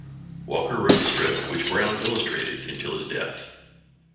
Walker wrote the strip, which Browne illustrated until his death.